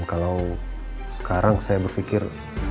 kalau sekarang saya berpikir